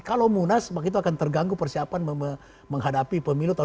kalau munas maka itu akan terganggu persiapan menghadapi pemilu tahun dua ribu empat belas